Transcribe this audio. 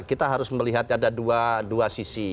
kita harus melihat ada dua sisi